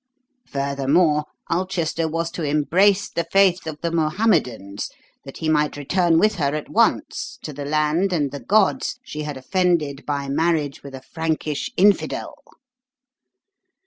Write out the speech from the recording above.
Furthermore, Ulchester was to embrace the faith of the Mohammedans that he might return with her at once to the land and the gods she had offended by marriage with a Frankish infidel."